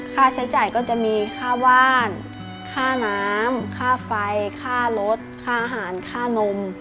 ค่าใช้จ่ายก็จะมีค่าบ้านค่าน้ำค่าไฟค่ารถค่าอาหารค่านม